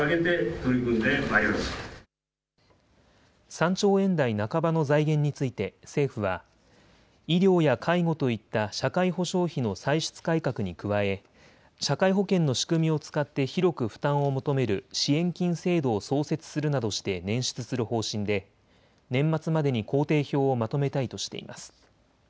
３兆円台半ばの財源について政府は医療や介護といった社会保障費の歳出改革に加え社会保険の仕組みを使って広く負担を求める支援金制度を創設するなどして捻出する方針で年末までに工程表をまとめたいとしています。